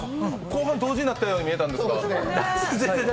後半同時になったように見えたんですけど。